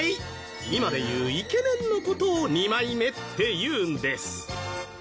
今でいうイケメンの事を「二枚目」っていうんです